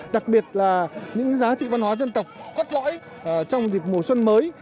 đặc biệt là những giá trị văn hóa dân tộc quất või trong dịp mùa xuân mới